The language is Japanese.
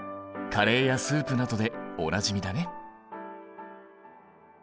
カレーやスープなどでおなじみだね。